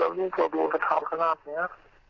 แล้วลูกกับลูกสาวขนาดนี้